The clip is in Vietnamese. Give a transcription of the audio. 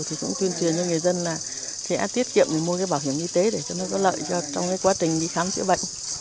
thì cũng tuyên truyền cho người dân là sẽ tiết kiệm mua cái bảo hiểm y tế để cho nó có lợi cho cái quá trình đi khám chữa bệnh